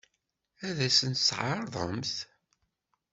Ad sent-tt-tɛeṛḍemt?